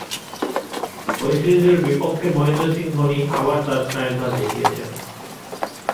West ইন্ডিজের বিপক্ষে মহেন্দ্র সিং ধোনি আবার তার স্নায়ুর ধার দেখিয়েছে।